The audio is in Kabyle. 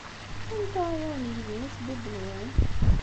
Anta ay awen-igezmen acebbub-nwen?